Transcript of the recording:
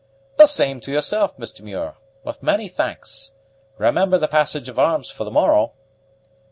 "The same to yourself, Mr. Muir, with many thanks. Remember the passage of arms for the morrow."